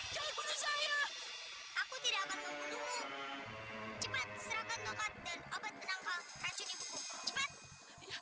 cepat serahkan lokat dan obat penangkal racuni buku cepat